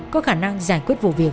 có khả năng giải quyết vụ việc